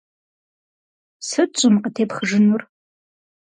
Сыт щӏым къытепхыжынур?